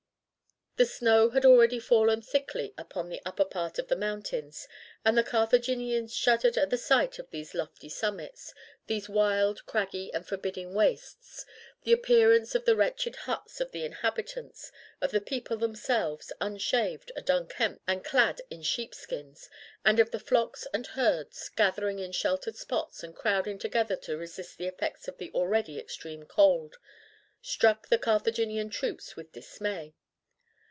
The snow had already fallen thickly upon the upper part of the mountains, and the Carthaginians shuddered at the sight of these lofty summits, these wild, craggy, and forbidding wastes. The appearance of the wretched huts of the inhabitants, of the people themselves, unshaved and unkempt and clad in sheepskins, and of the flocks and herds gathering in sheltered spots and crowding together to resist the effects of the already extreme cold, struck the Carthaginian troops with dismay.